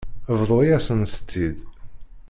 Bḍu-yasent-tt-id.